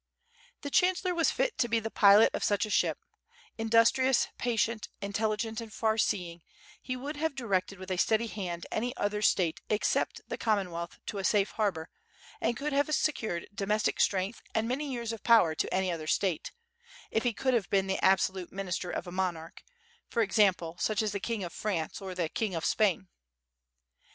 The chancellor was fit to be the pilot of such a ship; in dustrious, patient, intelligent, and farseeing, he would have directed with a steady hand any other State except the Com monwealth to a safe harbor, and could have secured domestic strength and many years of power to any other State — if he could have been the absolute minister of a monarch, for ex ample, such as the King of France, or the King of Spain.